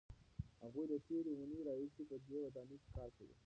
هغوی له تېرې اوونۍ راهیسې په دې ودانۍ کار کوي.